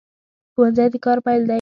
ښوونځی د کار پیل دی